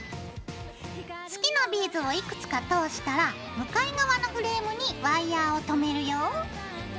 好きなビーズをいくつか通したら向かい側のフレームにワイヤーをとめるよ。